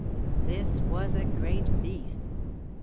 This was a great feast.